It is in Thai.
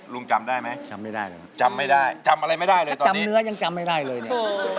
ลุงจำได้ไหมจำไม่ได้จำอะไรไม่ได้เลยตอนนี้จำเนื้อยังจำไม่ได้เลยนี่